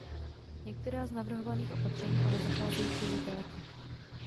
Některá z navrhovaných opatření ale zacházejí příliš daleko.